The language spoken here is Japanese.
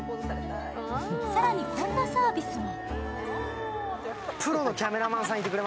さらに、こんなサービスも。